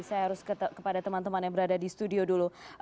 saya harus kepada teman teman yang berada di studio dulu